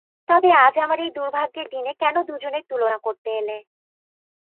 তবে আজ আমার এই দুর্ভাগ্যের দিনে কেন দুজনের তুলনা করতে এলে।